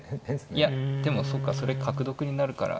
いやでもそうかそれ角得になるから。